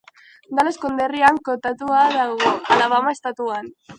Dallas konderrian kokatuta dago, Alabama estatuan.